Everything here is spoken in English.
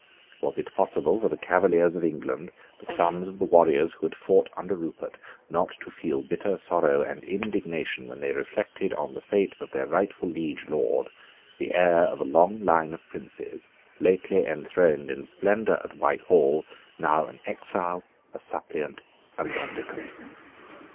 Was it possible for the Cavaliers of England, the sons of the warriors who had fought under Rupert, not to feel bitter sorrow and indignation when they reflected on the fate of their rightful liege lord, the heir of a long line of princes, lately enthroned in splendour at Whitehall, now an exile, a suppliant, a mendicant?